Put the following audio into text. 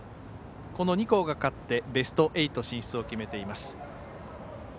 この２校が勝ってベスト８進出を決めています。